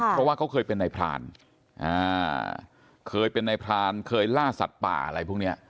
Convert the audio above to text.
เพราะว่าเขาเคยเป็นนายพรานเคยเป็นนายพรานเคยล่าสัตว์ป่าอะไรพวกนี้